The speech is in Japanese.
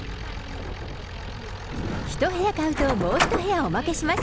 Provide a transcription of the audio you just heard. １部屋買うともう１部屋おまけします。